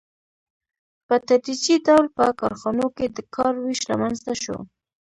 په تدریجي ډول په کارخانو کې د کار وېش رامنځته شو